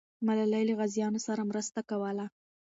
ملالۍ له غازیانو سره مرسته کوله.